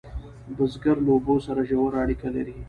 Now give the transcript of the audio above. بزګر له اوبو سره ژوره اړیکه لري